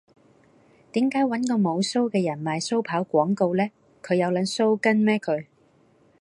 點解搵個無鬚嘅人賣鬚刨廣告呢？佢有撚鬚根咩佢